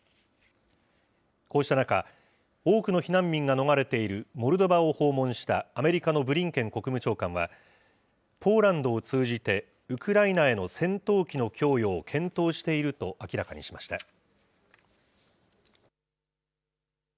こうした中、多くの避難民が逃れているモルドバを訪問したアメリカのブリンケン国務長官は、ポーランドを通じて、ウクライナへの戦闘機の供与を検討していると明らかにしました。